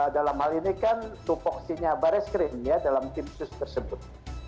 dalam hal ini kan topoksinya baraiskrim ya dalam tim sus tersebut